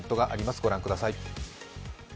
ご覧ください。